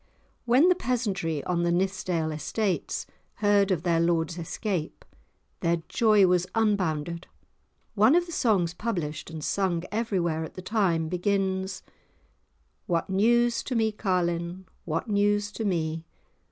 When the peasantry on the Nithsdale estates heard of their Lord's escape their joy was unbounded. One of the songs published and sung everywhere at the time, begins:— "What news to me, carlin'? What news to me?"